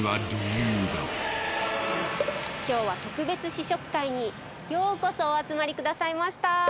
今日は特別試食会にようこそお集まりくださいました。